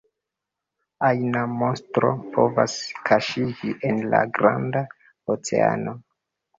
Ajna monstro povas kaŝiĝi en la granda oceano.